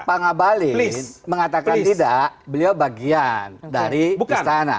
pak ngabalin mengatakan tidak beliau bagian dari istana